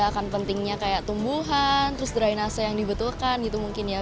akan pentingnya kayak tumbuhan terus drainase yang dibetulkan gitu mungkin ya